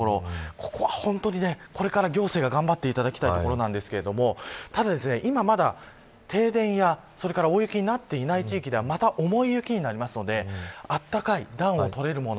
ここはこれから行政が頑張っていただきたいところなんですが今は、まだ停電や大雪になっていない地域ではまた重い雪になるので暖かい暖を取れるもの。